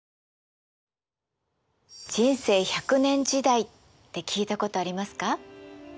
人生１００年時代って聞いたことありますか？